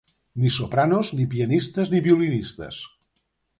Ni sopranos, ni pianistes, ni violinistes!